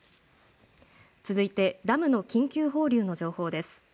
続いてダムの緊急放流の情報です。